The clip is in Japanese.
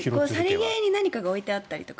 さりげに何かが置いてあったりとか。